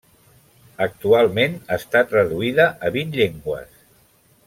Actualment està traduïda a vint llengües.